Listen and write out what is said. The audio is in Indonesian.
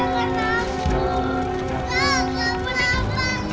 rasanya kayak apa kak